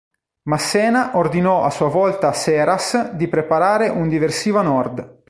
Massena ordinò a sua volta a Seras di preparare un diversivo a nord.